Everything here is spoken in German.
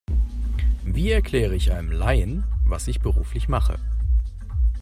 Wie erkläre ich einem Laien, was ich beruflich mache?